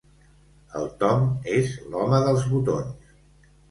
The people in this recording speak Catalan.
El Tom és l'home dels botons.